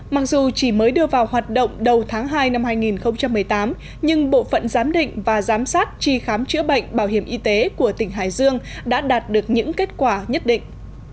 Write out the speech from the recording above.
mặc dù chỉ mới đưa vào hoạt động đầu tháng hai năm hai nghìn một mươi tám nhưng bộ phận giám định và giám sát tri khám chữa bệnh bảo hiểm y tế của tỉnh hải dương đã đạt được những kết quả nhất định